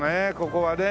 ここはね。